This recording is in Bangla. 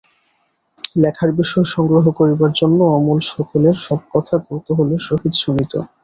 লেখার বিষয় সংগ্রহ করিবার জন্য অমল সকলের সব কথা কৌতূহলের সহিত শুনিত।